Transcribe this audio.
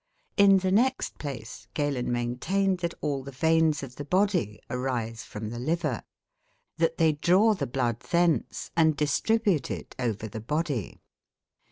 In the next place, Galen maintained that all the veins of the body arise from the liver; that they draw the blood thence and distribute it over the body.